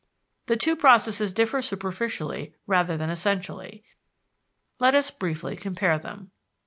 The two processes differ superficially rather than essentially. Let us briefly compare them.